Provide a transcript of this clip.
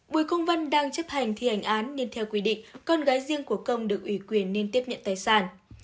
bùi công văn đang chấp hành thi hành án nên theo quy định con gái riêng của công được ủy quyền nên tiếp nhận tài sản